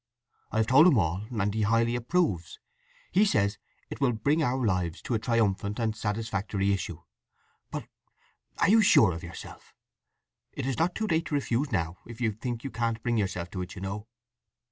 I have told him all, and he highly approves—he says it will bring our lives to a triumphant and satisfactory issue. But—are you sure of yourself? It is not too late to refuse now if—you think you can't bring yourself to it, you know?"